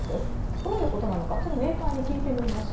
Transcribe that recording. どういうことなのかちょっとメーカーに聞いてみました。